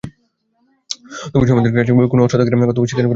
তবে সমর্থকদের কাছে কোনো অস্ত্র থাকার কথা অস্বীকার করেছেন ইমরান খান।